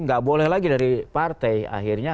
nggak boleh lagi dari partai akhirnya